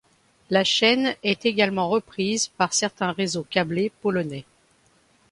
La chaîne est également reprise par certains réseaux câblés polonais.